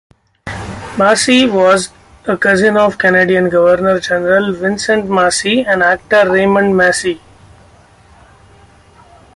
Massey was a cousin of Canadian Governor General Vincent Massey and actor Raymond Massey.